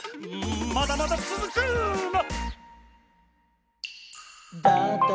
まだまだつづくの！